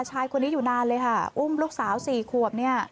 ชายคนนี้อยู่นานเลยค่ะอุ้มลูกสาวสี่ขวบเนี่ย